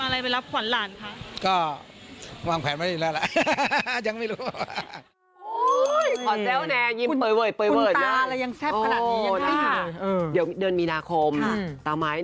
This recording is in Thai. แล้วค่ะไปรับขวัญหลานค่ะ